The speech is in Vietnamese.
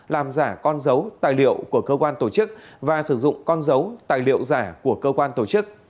làm giả con dấu tài liệu của cơ quan tổ chức và sử dụng con dấu tài liệu giả của cơ quan tổ chức